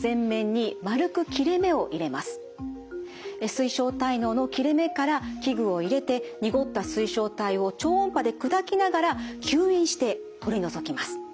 水晶体嚢の切れ目から器具を入れて濁った水晶体を超音波で砕きながら吸引して取り除きます。